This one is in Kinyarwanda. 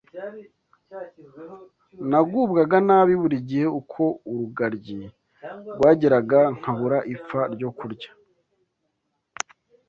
Nagubwaga nabi buri gihe uko urugaryi rwageraga nkabura ipfa ryo kurya.